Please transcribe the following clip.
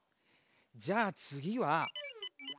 じゃあつぎは。